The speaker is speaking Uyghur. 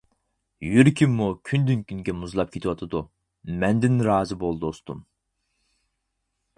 يۈرىكىممۇ كۈندىن-كۈنگە مۇزلاپ كېتىۋاتىدۇ، مەندىن رازى بول، دوستۇم!